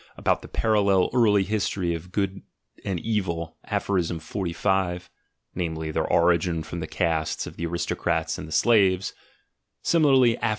about the parallel early history of Good and Evil, Aph. 45 (namely, their origin from the castes of the aristocrats and the slaves) ; simi larly, Aph.